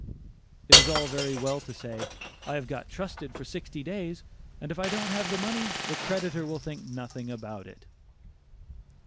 It is all very well to say, "I have got trusted for sixty days, and if I don't have the money, the creditor will think nothing about it."